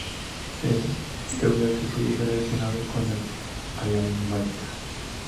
Se duda que estuviese relacionado con el elamita.